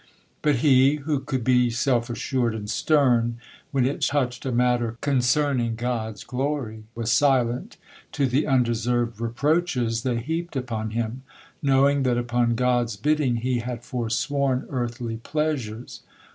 But he, who could be self assured and stern when it touched a matter concerning God's glory, was silent to the undeserved reproached they heaped upon him, knowing that upon God's bidding he had foresworn earthly pleasures.